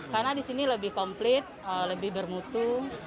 karena di sini lebih komplit lebih bermutu